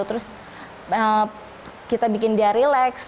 terus kita bikin dia relax